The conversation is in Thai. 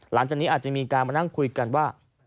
หลังจากนี้อาจจะมีการมานั่งคุยกันว่า